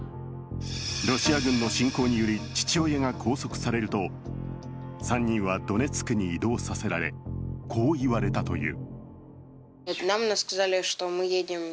ロシア軍の侵攻により父親が拘束されると３人はドネツクに移動させられこう言われたという。